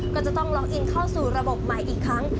ก็จะต้องล็อกอินเข้าสู่ระบบใหม่อีกครั้ง